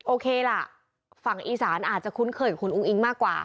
โอเคล่ะฝั่งอีสานอาจจะคุ้นเคยกับคุณอุ้งอิงมากกว่า